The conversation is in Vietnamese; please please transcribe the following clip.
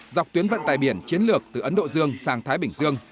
dọc tuyến vận tài biển chiến lược từ ấn độ dương sang thái bình dương